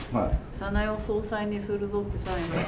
早苗を総裁にするぞってサインして。